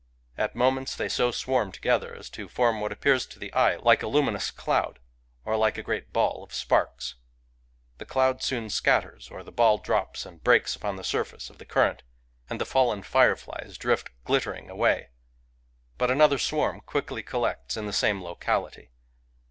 At mo ments they so swarm together as to form what appears to the eye like a luminous cloud, or like a great ball of sparks. The cloud soon scatters, or the ball drops and breaks upon the surface of the current, and the fallen fireflies drift glittering away ; but another swarm quickly collects in the same locality.